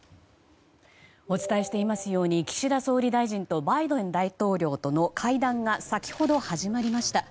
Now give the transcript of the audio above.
お伝えしていますように岸田総理大臣とバイデン大統領との会談が先ほど始まりました。